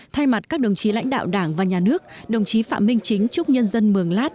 thay mặt các đồng chí lãnh đạo đảng và nhà nước đồng chí phạm minh chính chúc nhân dân mường lát